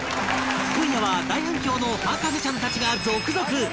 今夜は大反響の博士ちゃんたちが続々